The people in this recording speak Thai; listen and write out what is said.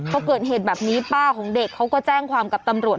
พอเกิดเหตุแบบนี้ป้าของเด็กเขาก็แจ้งความกับตำรวจ